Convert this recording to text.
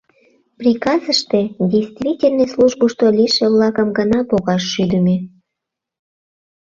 — Приказыште действительный службышто лийше-влакым гына погаш шӱдымӧ.